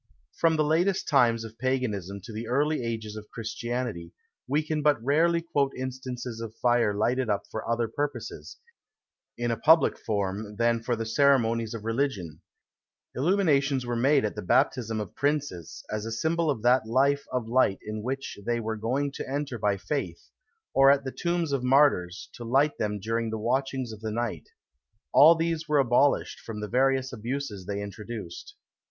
From the latest times of paganism to the early ages of Christianity, we can but rarely quote instances of fire lighted up for other purposes, in a public form, than for the ceremonies of religion; illuminations were made at the baptism of princes, as a symbol of that life of light in which they were going to enter by faith; or at the tombs of martyrs, to light them during the watchings of the night. All these were abolished, from the various abuses they introduced.